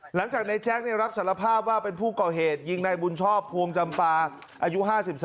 หลังจากในแจ๊ครับสารภาพว่าเป็นผู้ก่อเหตุยิงในบุญชอบภวงจำปาอายุ๕๓